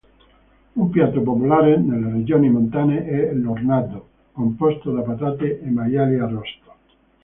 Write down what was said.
Un piatto popolare nelle regioni montane è l"'hornado", composto da patate e maiale arrosto.